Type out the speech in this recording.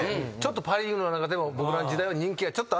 パ・リーグの中でも僕らの時代は人気がちょっとあったんで。